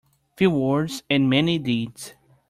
Few words and many deeds.